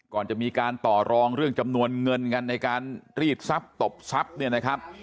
ก่อนจะมีการต่อรองเรื่องจำนวนเงินกันในการรีดทรัพย์ตบทรัพย์เนี่ยนะครับ